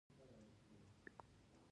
آزاد تجارت مهم دی ځکه چې پرمختګ راوړي.